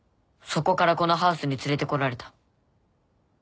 そこからこのハウスに連れてこられた。